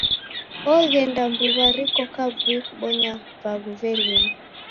Oghenda mbuw'a riko kavui kubonya vaghu velima.